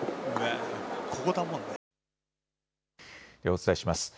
お伝えします。